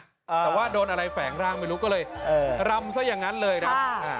แต่ว่าโดนอะไรแฝงร่างไม่รู้ก็เลยรำซะอย่างนั้นเลยครับ